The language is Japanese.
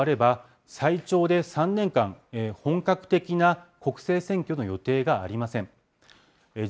今回の参議院選挙が終われば、最長で３年間、本格的な国政選挙の予定がありません。